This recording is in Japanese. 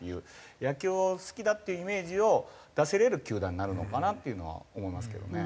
野球を好きだっていうイメージを出せれる球団になるのかなっていうのは思いますけどね。